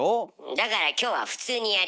だから今日は普通にやります。